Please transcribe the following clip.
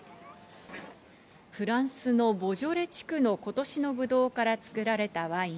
フランスのボジョレ地区の今年のぶどうから作られたワイン、